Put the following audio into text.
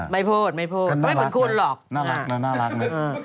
ไม่พูดไม่พูดเขาไม่ผิดคุณหรอกน่ารักนะน่ารักนะ